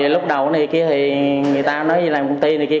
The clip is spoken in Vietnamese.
lúc đầu người ta nói làm công ty này kia